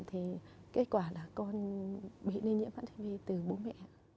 thì kết quả là con bị nây nhiễm hát đi vê từ bố mẹ